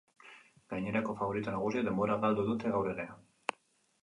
Gainerako faborito nagusiek denbora galdu dute gaur ere.